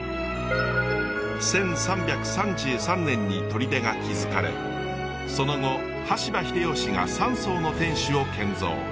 １３３３年に砦が築かれその後羽柴秀吉が３層の天守を建造。